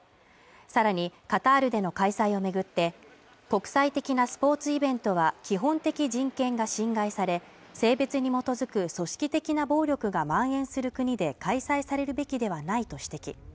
さらにカタールでの開催をめぐって国際的なスポーツイベントは基本的人権が侵害され性別に基づく組織的な暴力が蔓延する国で開催されるべきではないと指摘